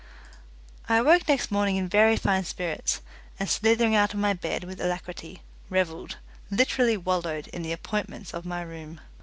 I awoke next morning in very fine spirits, and slithering out of my bed with alacrity, revelled literally wallowed in the appointments of my room.